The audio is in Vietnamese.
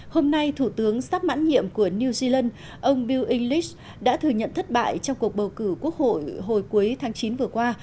hôm nay thủ tướng sắp mãn nhiệm của new zealand ông bu english đã thừa nhận thất bại trong cuộc bầu cử quốc hội hồi cuối tháng chín vừa qua